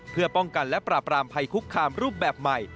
เพื่อป้องกันและปราบรามภัยคุกคามรูปแบบใหม่